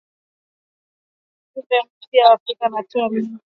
Mjumbe mpya wa Afrika ya Kati anatoa wito wa kurekebishwa